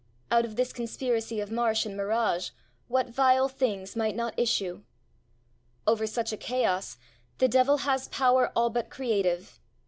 Out of this conspiracy of marsh and mirage, what vile things might not issue! Over such a chaos the devil has power all but creative.